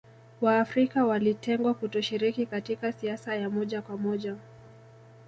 Waafrika walitengwa kutoshiriki katika siasa ya moja kwa moja